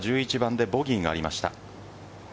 この後、藤田は１１番でボギーがありました。